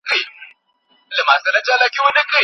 کینه په انسانانو کې د ځورونې سبب ګرځي.